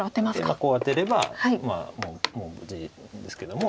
こうアテればもう地ですけども。